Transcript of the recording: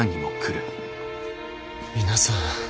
皆さん。